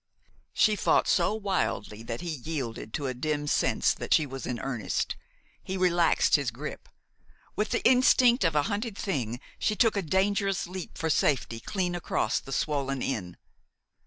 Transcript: She fought so wildly that he yielded to a dim sense that she was in earnest. He relaxed his grip. With the instinct of a hunted thing, she took a dangerous leap for safety clean across the swollen Inn.